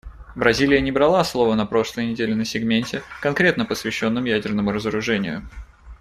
Бразилия не брала слово на прошлой неделе на сегменте, конкретно посвященном ядерному разоружению.